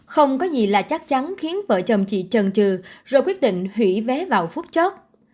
không có gì là chắc chắn khiến vợ chồng chị trần trừ rồi quyết định hủy vé vào phút chót